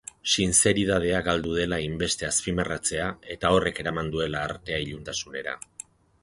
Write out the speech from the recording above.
Sinzeridadea galdu dela hainbeste azpimarratzea, eta horrek eraman duela artea iluntasunera.